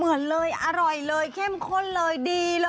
เหมือนเลยอร่อยเลยเข้มข้นเลยดีเลย